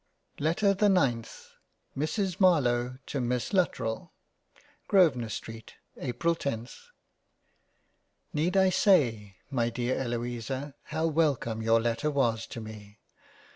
LETTER the NINTH Mrs MARLOWE to Miss LUTTERELL Grosvenor Street, April ioth NEED I say my dear Eloisa how wellcome your letter was to me